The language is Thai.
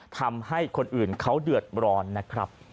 ทำให้คนอื่นเขาเดือดร้อนนะครับ